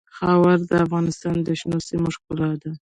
خاوره د افغانستان د شنو سیمو ښکلا ده.